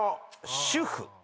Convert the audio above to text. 「主婦」